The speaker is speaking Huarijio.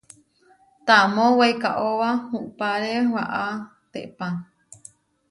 Tamó weikaóba upáre waʼátepa.